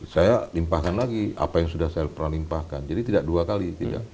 saya limpahkan lagi apa yang sudah saya pernah limpahkan jadi tidak dua kali